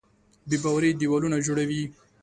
بېباوري دیوالونه جوړوي.